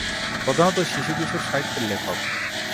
প্রধানত শিশু-কিশোর সাহিত্যের লেখক।